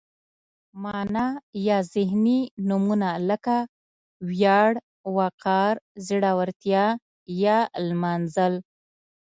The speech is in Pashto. معنا یا ذهني نومونه لکه ویاړ، وقار، زړورتیا یا نمانځل.